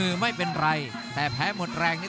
รับทราบบรรดาศักดิ์